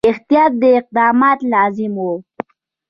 احتیاطي اقدامات لازم وه.